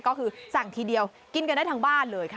ก็คือสั่งทีเดียวกินกันได้ทั้งบ้านเลยค่ะ